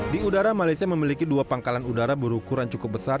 di udara malaysia memiliki dua pangkalan udara berukuran cukup besar